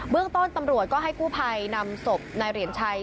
เรื่องต้นตำรวจก็ให้กู้ภัยนำศพนายเหรียญชัย